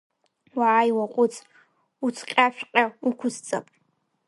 Уааи уаҟәыҵ, уцҟьашәҟьа уқәысҵап!